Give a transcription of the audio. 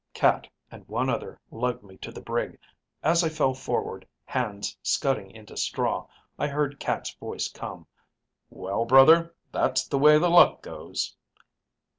"Cat and one other lugged me to the brig. As I fell forward, hands scudding into straw, I heard Cat's voice come, 'Well, brother, that's the way the luck goes.'